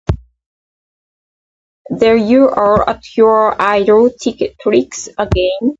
There you are, at your idle tricks again!